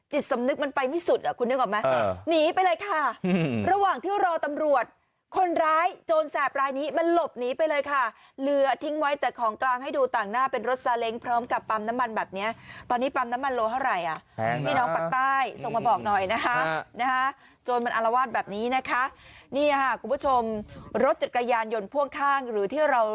สำนึกมันไปไม่สุดอ่ะคุณนึกออกไหมหนีไปเลยค่ะระหว่างที่รอตำรวจคนร้ายโจรแสบรายนี้มันหลบหนีไปเลยค่ะเหลือทิ้งไว้แต่ของกลางให้ดูต่างหน้าเป็นรถซาเล้งพร้อมกับปั๊มน้ำมันแบบนี้ตอนนี้ปั๊มน้ำมันโลเท่าไหร่อ่ะพี่น้องปากใต้ส่งมาบอกหน่อยนะคะโจรมันอารวาสแบบนี้นะคะนี่ค่ะคุณผู้ชมรถจักรยานยนต์พ่วงข้างหรือที่เรา